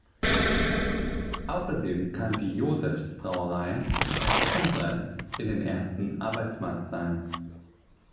Außerdem kann die Josefs-Brauerei ein Sprungbrett in den ersten Arbeitsmarkt sein.